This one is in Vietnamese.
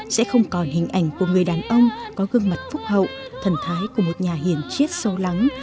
sẽ không còn hình ảnh của người đàn ông có gương mặt phúc hậu thần thái của một nhà hiền chiết sâu lắng